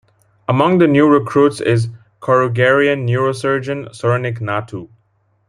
Among the new recruits is Korugarian neurosurgeon Soranik Natu.